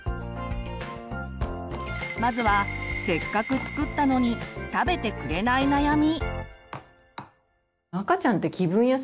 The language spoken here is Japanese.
まずはせっかく作ったのに食べてくれない悩み。